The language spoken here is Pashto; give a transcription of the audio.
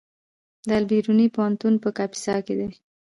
د البیروني پوهنتون په کاپیسا کې دی